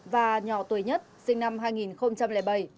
và nhỏ tuổi nhất sinh năm hai nghìn bảy